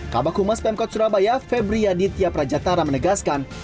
kabupaten humas pemkot surabaya febriyadi tiaprajatara menegaskan